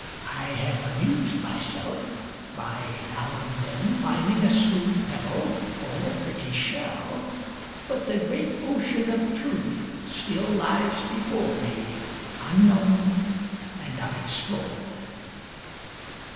I have amused myself by now and then finding a smooth pebble or a pretty shell, but the great ocean of truth still lies before me unknown and unexplored."